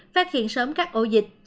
phát hiện sớm các ô dịch chùm ca bệnh